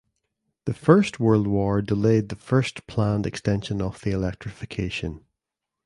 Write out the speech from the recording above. The First World War delayed the first planned extension of the electrification.